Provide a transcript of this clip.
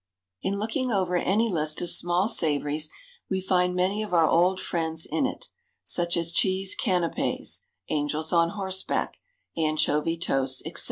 In looking over any list of small savories we find many of our old friends in it, such as cheese canapés, angels on horseback, anchovy toast, etc.